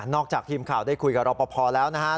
นอกจากทีมข่าวได้คุยกับเราพอแล้วนะฮะ